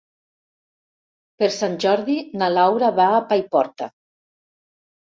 Per Sant Jordi na Laura va a Paiporta.